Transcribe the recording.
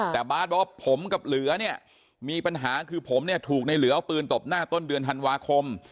แต่บาทบอกว่าผมกับเหลือเนี่ยมีปัญหาคือผมเนี่ยถูกในเหลือเอาปืนตบหน้าต้นเดือนธันวาคม